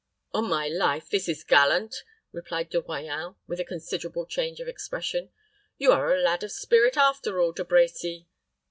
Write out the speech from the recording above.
"On my life, this is gallant!" cried De Royans, with a considerable change of expression. "You are a lad of spirit after all, De Brecy."